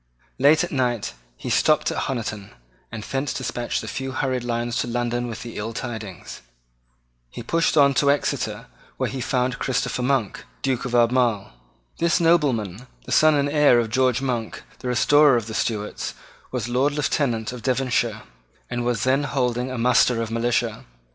Late at night he stopped at Honiton, and thence despatched a few hurried lines to London with the ill tidings. He then pushed on to Exeter, where he found Christopher Monk, Duke of Albemarle. This nobleman, the son and heir of George Monk, the restorer of the Stuarts, was Lord Lieutenant of Devonshire, and was then holding a muster of militia.